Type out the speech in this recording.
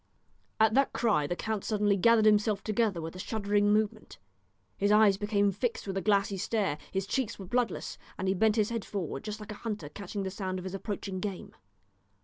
At that cry the count suddenly gathered himself together with a shuddering movement, his eyes became fixed with a glassy stare, his cheeks were bloodless, and he bent his head forward just like a hunter catching the sound of his approaching game.